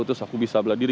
terus aku bisa bela diri